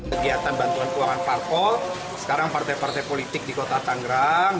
kegiatan bantuan keuangan parpol sekarang partai partai politik di kota tangerang